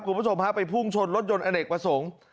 กลุ่มประสงค์ฮะไปพุ่งชนรถยนต์อเนกประสงค์